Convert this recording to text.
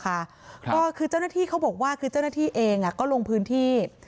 ก็คือเจ้าหน้าที่เขาบอกว่าคือเจ้าหน้าที่เองก็ลงพื้นที่